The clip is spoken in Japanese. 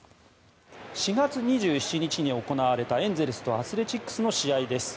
４月２７日に行われたエンゼルスとアスレチックスの試合です。